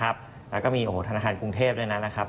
แล้วก็มีธนาคารกรุงเทพด้วยนะครับ